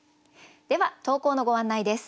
では投稿のご案内です。